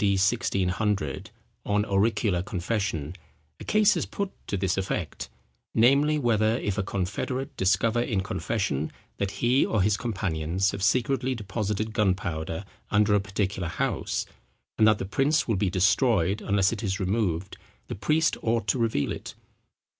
D. 1600, on auricular confession, a case is put to this effect; namely, whether if a confederate discover, in confession, that he or his companions have secretly deposited gunpowder under a particular house, and that the prince will be destroyed unless it is removed, the priest ought to reveal it.